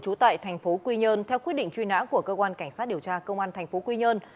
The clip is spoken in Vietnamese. trú tại thành phố quy nhơn theo quyết định truy nã của cơ quan cảnh sát điều tra công an thành phố quy nhơn